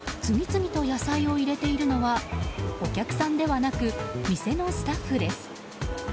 買い物かごに次々と野菜を入れているのはお客さんではなく店のスタッフです。